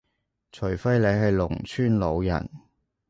除非你係農村老人